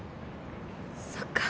そっか。